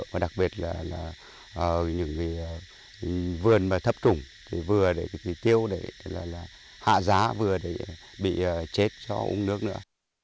và đặc biệt là những vườn thấp trùng thì vừa để tiêu để hạ giá vừa để bị chết cho uống nước nữa